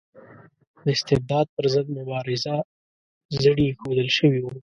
د استبداد پر ضد مبارزه زڼي ایښودل شوي وو.